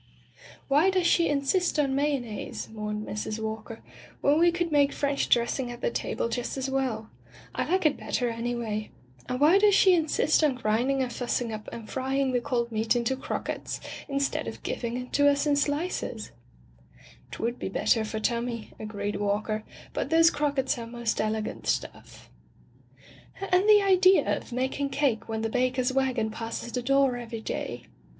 "Why does she insist on mayonnaise?" mourned Mrs. Walker, "when we could make French dressing at the table just as well ? I like it better, anyway. And why does she insist on grinding and fussing up and [ 372 ] Digitized by LjOOQ IC By the Sawyer Method frying the cold meat into croquettes instead of giving it to us in slices r" "'Twould be better for tummy," agreed Walker, "but those croquettes are most el egant stuff/' "And the idea of making cake when the baker's wagon passes the door every day!